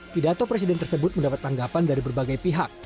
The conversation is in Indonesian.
pidato presiden tersebut mendapat tanggapan dari berbagai pihak